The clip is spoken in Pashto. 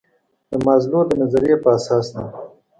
د مازلو د نظریې پر اساس ده.